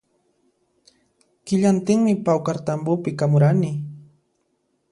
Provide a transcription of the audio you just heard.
Killantinmi pawkartambopi kamurani